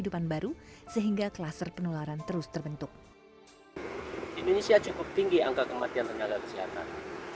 dibentuk indonesia cukup tinggi angka kematian tenaga kesehatan